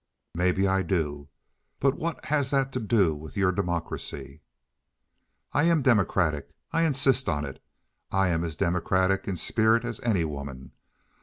"Maybe I do, but what has that to do with your democracy?" "I am democratic. I insist on it. I'm as democratic in spirit as any woman.